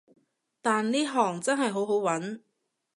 但呢行真係好好搵